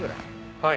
はい。